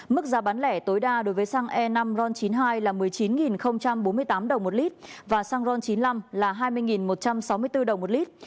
mức giá bán lẻ tối đa đối với xăng e năm ron chín mươi hai là một mươi chín bốn mươi tám đồng một lít và xăng ron chín mươi năm là hai mươi một trăm sáu mươi bốn đồng một lít